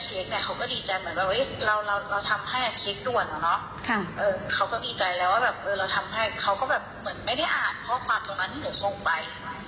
เหมือนไม่ได้อ่านข้อความตรงนั้นหนูส่งไป